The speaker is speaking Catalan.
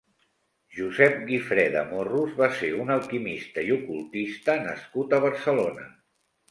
José Gifreda Morros va ser un alquimista i ocultista nascut a Barcelona.